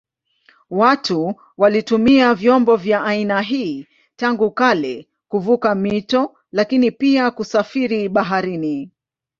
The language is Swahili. Watu walitumia vyombo vya aina hii tangu kale kuvuka mito lakini pia kusafiri baharini.